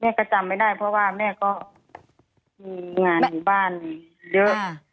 ก็จำไม่ได้เพราะว่าแม่ก็มีงานอยู่บ้านเยอะ